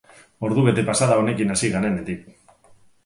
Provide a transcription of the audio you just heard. Ordu bete pasa da honekin hasi garenetik.